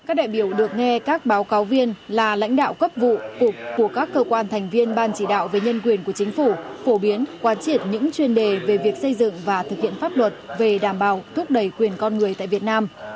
các đại biểu được nghe các báo cáo viên là lãnh đạo cấp vụ của các cơ quan thành viên ban chỉ đạo về nhân quyền của chính phủ phổ biến quán triệt những chuyên đề về việc xây dựng và thực hiện pháp luật về đảm bảo thúc đẩy quyền con người tại việt nam